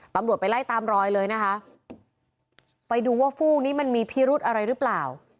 ตำรวจไปไล่ตามรอยเลยนะคะไปดูว่าฟูกนี้มันมีพิรุธอะไรหรือเปล่า